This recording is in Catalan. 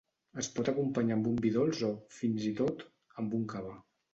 Es pot acompanyar amb un vi dolç o, fins i tot, amb un cava.